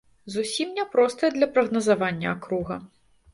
Зусім няпростая для прагназавання акруга.